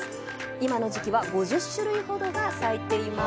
今の時期は５０種類ほどが咲いています。